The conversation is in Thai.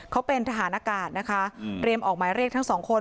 เขาเป็นทหารอากาศนะคะเตรียมออกหมายเรียกทั้งสองคน